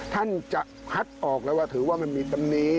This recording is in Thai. ท่านจะคัดออกแล้วว่าถือว่ามันมีตำนี้